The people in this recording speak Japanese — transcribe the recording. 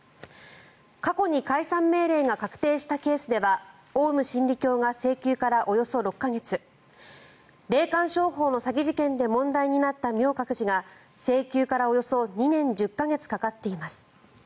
過去に解散命令が確定したケースではオウム真理教が請求からおよそ６か月霊感商法の詐欺事件で問題になった明覚寺が請求からおよそ２年１０か月かかっています。